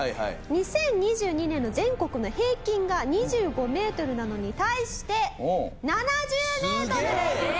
２０２２年の全国の平均が２５メートルなのに対して７０メートルです！